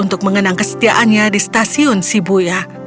untuk mengenang kesetiaannya di stasiun sibuya